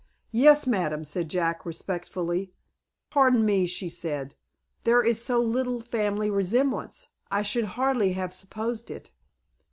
"Yes, madam," said Jack, respectfully. "Pardon me," she said, "there is so little family resemblance, I should hardly have supposed it."